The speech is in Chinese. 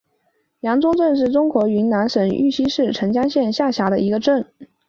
阳宗镇是中国云南省玉溪市澄江县下辖的一个镇。